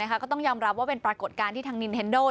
ก็ต้องยอมรับว่าเป็นปรากฏการณ์ที่ทางนินเทนโด